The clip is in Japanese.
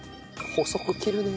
細く切るね。